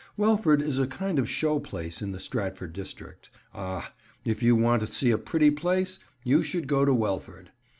Welford is a kind of show place in the Stratford district. "Ah! if you want to see a pretty place, you should go to Welford."